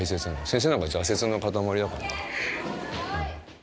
先生なんか挫折の塊だからな。